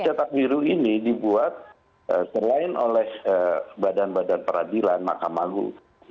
cetak biru ini dibuat selain oleh badan badan peradilan makam agung